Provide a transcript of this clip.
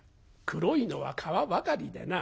黒いのは皮ばかりでな」。